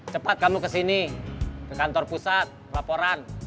cepat kamu ke sini ke kantor pusat laporan